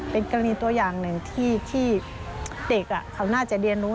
เป็นกรณีตัวอย่างหนึ่งที่เด็กเขาน่าจะเรียนรู้